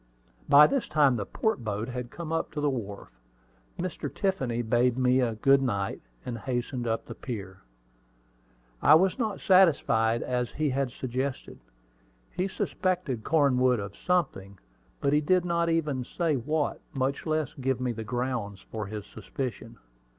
By this time the port boat had come up to the wharf. Mr. Tiffany bade me good night, and hastened up the pier. I was not satisfied, as he had suggested. He suspected Cornwood of something, but he did not even say what, much less give me the grounds for his suspicion.